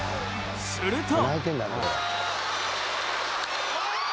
すると。